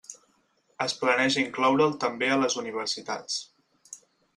Es planeja incloure'l també a les universitats.